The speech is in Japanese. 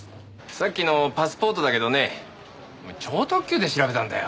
さっきのパスポートだけどねもう超特急で調べたんだよ。